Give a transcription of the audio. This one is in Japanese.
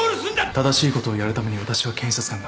正しいことをやるために私は検察官になった。